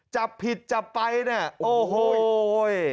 จับผิดจับไปเนี่ยโอ้โห